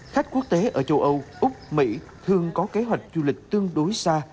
khách quốc tế ở châu âu úc mỹ thường có kế hoạch du lịch tương đối xa